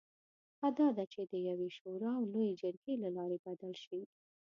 ښه دا ده چې د یوې شورا او لویې جرګې له لارې بدل شي.